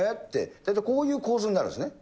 大体こういう構図になるわけですね。